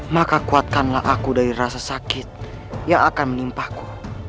maka kuatkanlah aku dari rasa sakit yang akan menimpaku